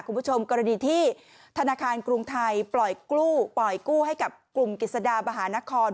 คุณผู้ชมกรดีที่ธนาคารกรุงไทยปล่อยกู้ให้กลุ่มกฤษฎาบหานคร